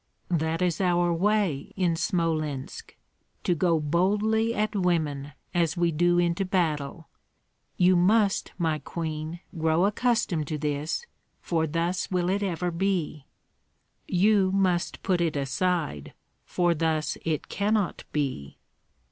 "That is our way in Smolensk, to go boldly at women as we do into battle. You must, my queen, grow accustomed to this, for thus will it ever be." "You must put it aside, for thus it cannot be."